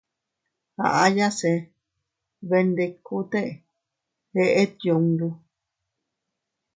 Aʼyase bendikute eʼet yundu.